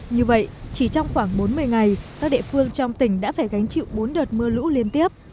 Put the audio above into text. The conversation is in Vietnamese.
như vậy chỉ trong khoảng bốn mươi ngày các địa phương trong tỉnh đã phải gánh chịu bốn đợt mưa lũ liên tiếp